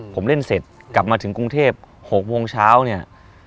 ผมเล่นเสร็จกลับมาถึงกรุงเทพ๖โมงเช้าเนี่ย